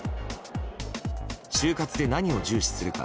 就活で何を重視するか。